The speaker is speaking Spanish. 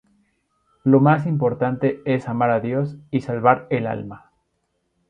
Lo más importante es amar a Dios y salvar el alma"".